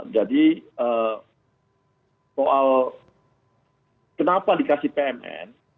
jadi soal kenapa dikasih pmn